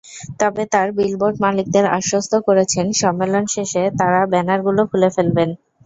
তবে তাঁরা বিলবোর্ড মালিকদের আশ্বস্ত করেছেন, সম্মেলন শেষে তাঁরা ব্যানারগুলো খুলে ফেলবেন।